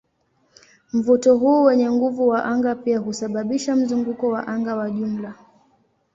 Mvuto huu wenye nguvu wa anga pia husababisha mzunguko wa anga wa jumla.